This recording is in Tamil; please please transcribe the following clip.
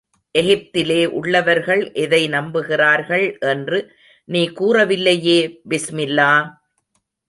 எகிப்திலே உள்ளவர்கள் எதை நம்புகிறார்கள் என்று நீ கூறவில்லையே. பிஸ்மில்லா!...